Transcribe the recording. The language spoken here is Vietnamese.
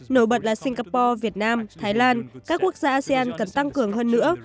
nổi bật là singapore việt nam thái lan các quốc gia asean cần tăng cường hơn nữa